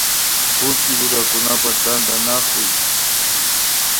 Kullki rurakunapak tantanakuy